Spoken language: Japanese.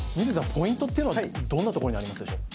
ポイントっていうのはどんなところにありますでしょう